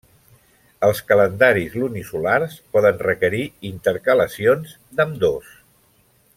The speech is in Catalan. Els calendaris lunisolars poden requerir intercalacions d'ambdós: